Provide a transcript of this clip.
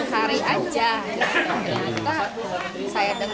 ternyata saya dengar juga dari yang lain